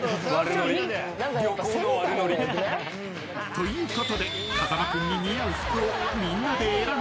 ［ということで風間君に似合う服をみんなで選んでみることに］